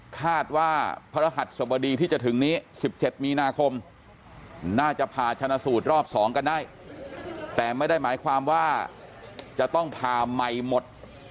คาดว่าพระรหัสสบดีที่จะถึงนี้๑๗มีนาคมน่าจะผ่าชนะสูตรรอบ๒กันได้แต่ไม่ได้หมายความว่าจะต้องผ่าใหม่หมด